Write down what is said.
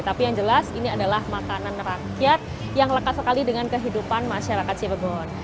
tapi yang jelas ini adalah makanan rakyat yang lekat sekali dengan kehidupan masyarakat cirebon